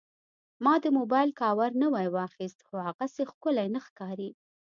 ما د موبایل کاور نوی واخیست، خو هغسې ښکلی نه ښکاري.